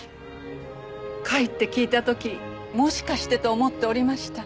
甲斐って聞いた時もしかしてと思っておりました。